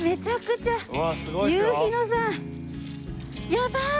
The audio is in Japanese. やばい！